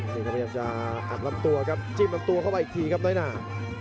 นี่ก็พยายามจะอัดลำตัวครับจิ้มลำตัวเข้าไปอีกทีครับน้อยหนา